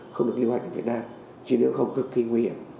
không được lưu hành ở việt nam chứ nếu không cực kỳ nguy hiểm